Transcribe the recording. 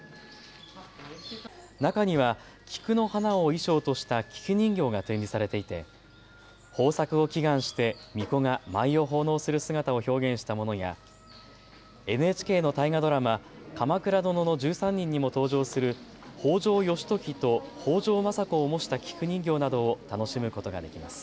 中には、菊の花を衣装とした菊人形が展示されていて豊作を祈願して、みこが舞を奉納する姿を表現したものやＮＨＫの大河ドラマ鎌倉殿の１３人にも登場する北条義時と北条政子を模した菊人形などを楽しむことができます。